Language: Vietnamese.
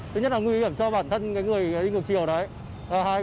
thứ nhất là nguy hiểm cho bản thân người đi ngược chiều đấy